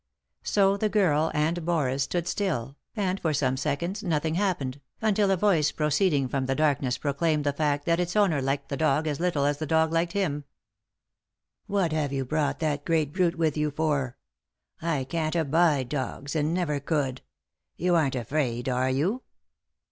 So the girl and Boris stood still, and for some seconds nothing happened, until a voice proceeding from tbe darkness proclaimed i«3 3i 9 iii^d by Google THE INTERRUPTED KISS the fact that its owner liked the dog as little as the dog liked him. " What have you brought that great brute with you for ? I can't abide dogs, and never could. You aren't afraid, are you